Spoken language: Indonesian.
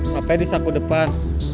hape disaku depan